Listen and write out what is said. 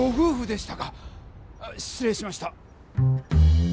しつ礼しました！